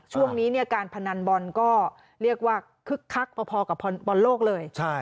ช่วงนี้เนี่ยการพนันบอลก็เรียกว่าคึกคักพอกับบอลโลกเลย